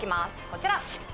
こちら。